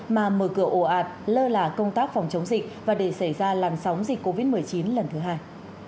mà mở cửa ổ ạt lơ là công tác phòng chống dịch và để xảy ra làn sóng dịch covid một mươi chín lần thứ hai